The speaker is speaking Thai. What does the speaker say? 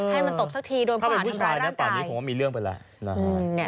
ถ้าเป็นผู้ชายตอนนี้ผมว่ามีเรื่องเป็นแหละ